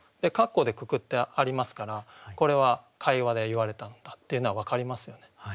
括弧でくくってありますからこれは会話で言われたんだっていうのは分かりますよね。